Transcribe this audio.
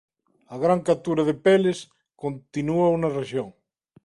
A gran captura de peles continuou na rexión.